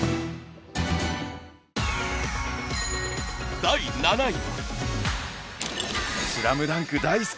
第７位は。